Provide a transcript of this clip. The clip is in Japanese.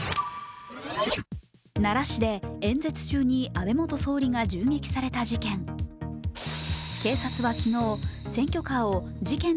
奈良市で演説中に安倍元総理が銃撃された事件。